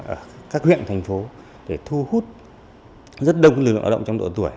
ở các huyện thành phố để thu hút rất đông người lao động trong độ tuổi